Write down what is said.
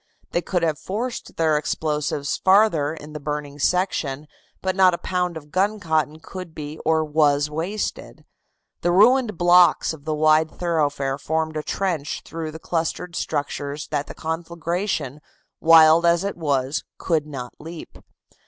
They could have forced their explosives farther in the burning section, but not a pound of guncotton could be or was wasted. The ruined blocks of the wide thoroughfare formed a trench through the clustered structures that the conflagration, wild as it was, could not leap.